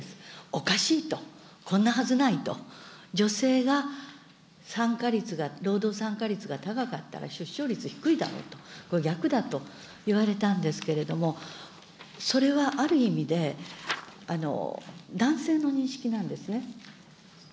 おかしいと、こんなはずないと、女性が参加率が、労働参加率が高かったら、出生率低いだろうと、これ、逆だと言われたんですけれども、それはある意味で、男性の認識なんですね。